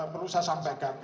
perlu saya sampaikan